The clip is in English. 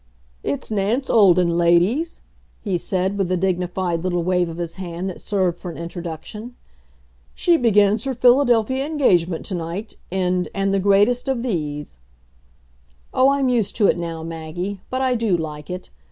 "It's Nance Olden, ladies," he said, with a dignified little wave of his hand that served for an introduction. "She begins her Philadelphia engagement to night in And the Greatest of These." Oh, I'm used to it now, Maggie, but I do like it.